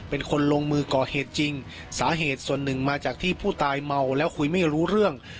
เป็นคนลงมือก่อเหตุจริงสาเหตุส่วนหนึ่งมาจากที่ผู้ตายเมาแล้วคุยไม่รู้เรื่อง